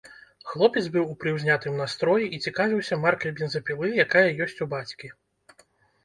Хлопец быў у прыўзнятым настроі і цікавіўся маркай бензапілы, якая ёсць у бацькі.